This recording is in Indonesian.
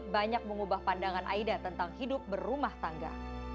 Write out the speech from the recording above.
banyak mengubah pandangan aida tentang hidup berumah tangga